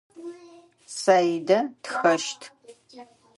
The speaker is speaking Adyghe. Саидэ тхэщт.